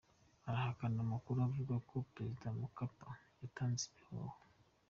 Arahakana amakuru avuga ko Perezida Mkapa yatanze imihoho.